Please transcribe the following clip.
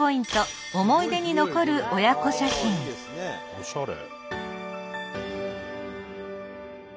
おしゃれ。